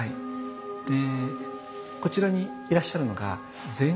でこちらにいらっしゃるのが善